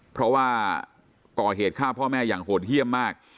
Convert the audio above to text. เพราะว่าก่อเหตุฆ่าพ่อแม่อย่างโหดเยี่ยมมาก